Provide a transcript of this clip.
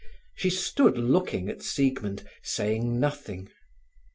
She stood looking at Siegmund, saying nothing.